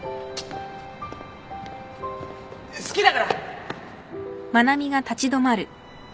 好きだから。